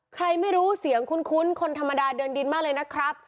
ใครไม่รู้เสียงคุ้นคนธรรมดาเดินดินมากเลยนะครับ